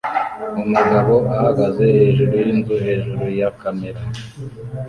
Umugabo ahagaze hejuru yinzu hejuru ya kamera